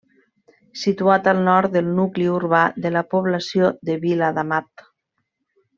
Situat al nord del nucli urbà de la població de Viladamat.